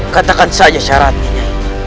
katakan saja syaratnya